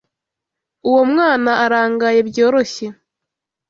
Uwo mwana arangaye byoroshye.